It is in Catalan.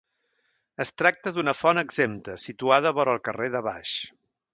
Es tracta d'una font exempta situada vora el carrer de Baix.